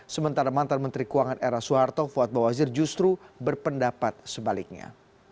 sementara mantan menteri keuangan era soeharto fuad bawazir justru berpendapat sebaliknya